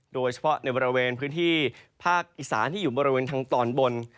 โดยเฉพาะในบริเวณพื้นที่ภาคอีสานที่อยู่บริเวณทางตอนบน